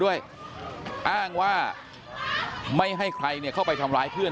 ต้องมาป้องเพื่อนมาปกป้องเพื่อน